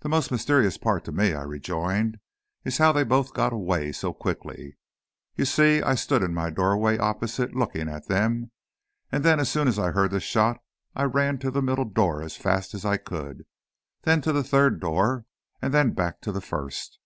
"The most mysterious part to me," I rejoined, "is how they both got away so quickly. You see, I stood in my doorway opposite, looking at them, and then as soon as I heard the shot I ran to the middle door as fast as I could, then to the third room door, and then back to the first.